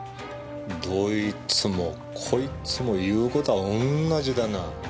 どいつもこいつも言うこたぁおんなじだな。